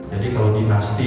jadi kalau dinasti